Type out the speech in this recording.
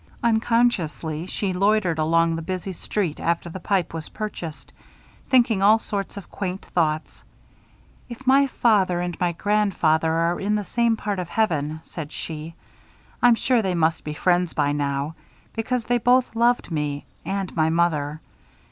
Unconsciously, she loitered along the busy street after the pipe was purchased, thinking all sorts of quaint thoughts. "If my father and my grandfather are in the same part of heaven," said she, "I'm sure they must be friends by now, because they both loved me and my mother.